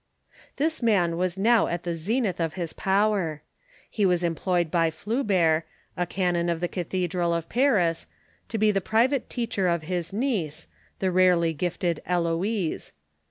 This man was now at the zenith of his power. He was em ployed by Fulbert, a canon of the Cathedral of Paris, to be the private teacher of his niece, the rarely gifted Misfortunes II<^'loise.